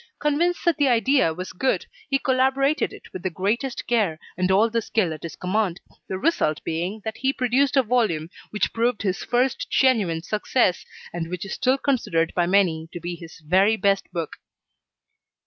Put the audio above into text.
Convinced that the idea was good, he elaborated it with the greatest care and all the skill at his command, the result being that he produced a volume which proved his first genuine success, and which is still considered by many to be his very best book.